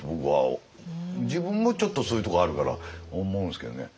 自分もちょっとそういうところあるから思うんですけどね。